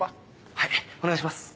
はいお願いします。